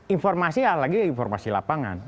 informasi lagi informasi lapangan